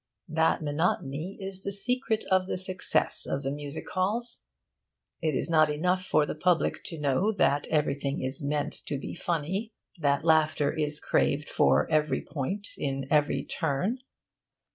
That monotony is the secret of the success of music halls. It is not enough for the public to know that everything is meant to be funny, that laughter is craved for every point in every 'turn.'